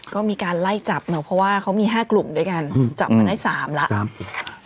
ก็มีการไล่จับเพราะว่ามี๕กลุ่มจับให้๓แล้ว